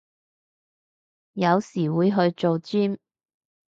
有時會去做尖